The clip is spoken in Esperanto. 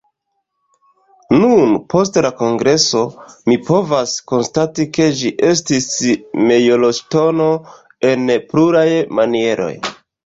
Nun, post la kongreso, mi povas konstati ke ĝi estis mejloŝtono en pluraj manieroj.